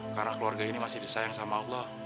karena keluarga ini masih disayang sama allah